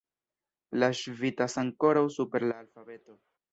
Li ŝvitas ankoraŭ super la alfabeto.